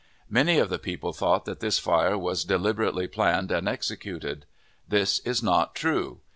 Many of the people thought that this fire was deliberately planned and executed. This is not true.